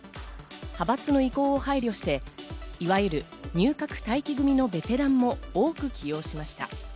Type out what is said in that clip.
派閥の意向を配慮して、いわゆる入閣待機組のベテランも多く起用しました。